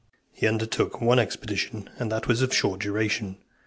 XVII. He undertook only one expedition, and that was of short duration.